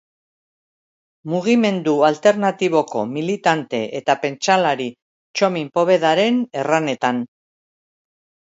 Mugimendu alternatiboko militante eta pentsalari Txomin Povedaren erranetan.